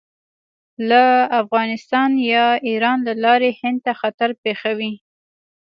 له افغانستان یا ایران له لارې هند ته خطر پېښوي.